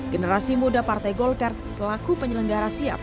generasi muda partai golkar selaku penyelenggara siap